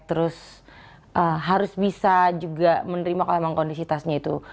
terus harus bisa juga menerima kalau emang kondisitasnya itu